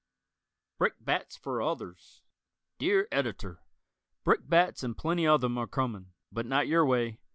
Brickbats for Others Dear Editor: Brickbats and plenty of them are coming, but not your way.